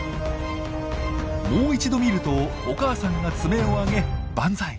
もう一度見るとお母さんが爪を上げバンザイ。